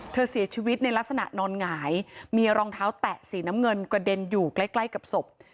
เสียชีวิตในลักษณะนอนหงายมีรองเท้าแตะสีน้ำเงินกระเด็นอยู่ใกล้ใกล้กับศพ